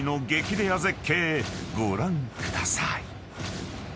レア絶景ご覧ください］